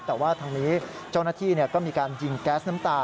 แต่ว่าทางนี้เจ้าหน้าที่ก็มีการยิงแก๊สน้ำตา